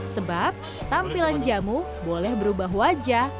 sebab tampilan jamu boleh berubah wajah